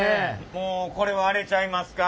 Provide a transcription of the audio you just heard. もうこれはあれちゃいますか？